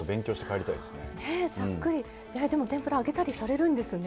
ねえさっくりでも天ぷら揚げたりされるんですね。